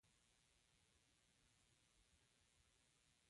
خور له خپلې کورنۍ سره وفاداره ده.